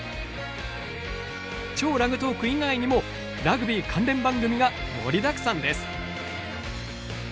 ＃超ラグトーク以外にもラグビー関連番組が盛りだくさんです。